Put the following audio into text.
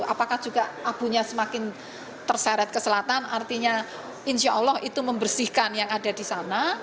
apakah juga abunya semakin terseret ke selatan artinya insya allah itu membersihkan yang ada di sana